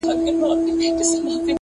نن له هغې وني ږغونه د مستۍ نه راځي،